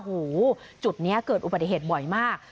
หูจุดเนี้ยเกิดอุบัติเหตุบ่อยมาก